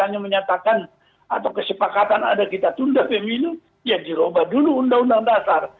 misalnya menyatakan atau kesepakatan ada kita tunda pemilu ya dirobah dulu undang undang dasar